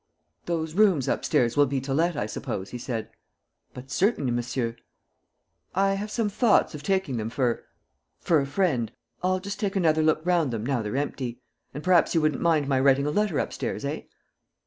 "Those rooms up stairs will be to let, I suppose?" he said. "But certainly, monsieur." "I have some thoughts of taking them for for a friend. I'll just take another look round them now they're empty. And perhaps you wouldn't mind my writing a letter up stairs eh?"